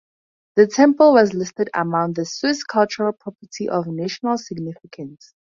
The temple was listed among the Swiss Cultural Property of National Significance.